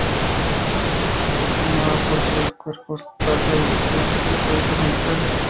Está conformada por tres cuerpos, tasa y grupo escultórico central.